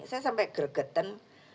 saya sampai gregetan